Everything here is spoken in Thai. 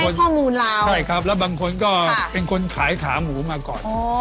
ใช่ครับแล้วบางคนก็เป็นคนขายขาหมูมาก่อน